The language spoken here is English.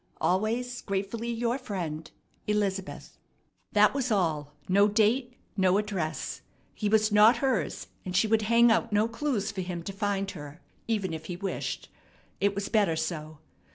Always gratefully your friend, "ELIZABETH." That was all, no date, no address. He was not hers, and she would hang out no clues for him to find her, even if he wished. It was better so.